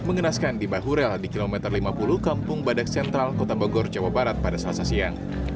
mengenaskan di bahu rel di kilometer lima puluh kampung badak sentral kota bogor jawa barat pada selasa siang